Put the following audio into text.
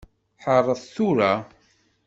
Ḥeṛṛet tura.